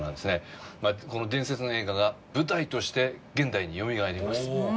この伝説の映画が舞台として現代によみがえります。